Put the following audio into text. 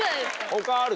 他ある？